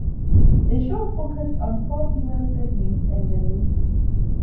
The show focused on four female flatmates and their landlady.